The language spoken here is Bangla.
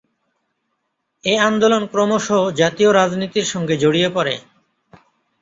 এ আন্দোলন ক্রমশ জাতীয় রাজনীতির সঙ্গে জড়িয়ে পড়ে।